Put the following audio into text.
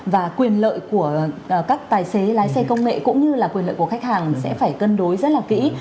và quyền lợi của các tài xế lái xe công nghệ cũng như là quyền lợi của khách hàng sẽ phải cân đối rất là kỹ